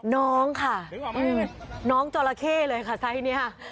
น้องค่ะน้องจราเข้เลยค่ะไซส์นี้ค่ะ